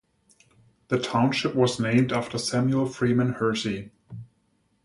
The township was named after Samuel Freeman Hersey.